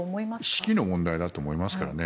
士気の問題だと思いますからね。